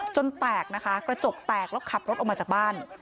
แตกนะคะกระจกแตกแล้วขับรถออกมาจากบ้าน